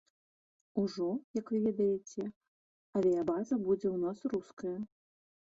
Ужо, як вы ведаеце, авіябаза будзе ў нас руская.